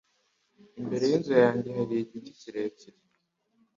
Imbere yinzu yanjye hari igiti kirekire.